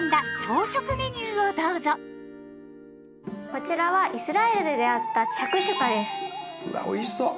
こちらはイスラエルで出会ったうわおいしそう。